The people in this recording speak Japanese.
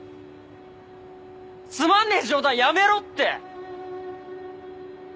つまんねえ冗談やめろって！